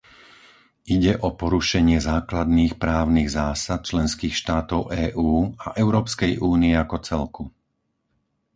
Ide o porušenie základných právnych zásad členských štátov EÚ a Európskej únie ako celku.